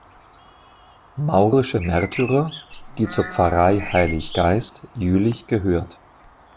Maurische Märtyrer, die zur Pfarrei Heilig Geist, Jülich gehört.